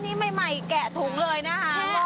วันนี้เราบุกมาแจกสดถึงเมืองพิจิตย์เลยคุณผู้ชมค่ะ